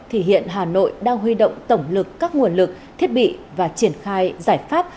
thì hiện hà nội đang huy động tổng lực các nguồn lực thiết bị và triển khai giải pháp